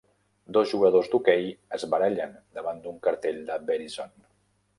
Dos jugadors d'hoquei es barallen davant d'un cartell de Verizon.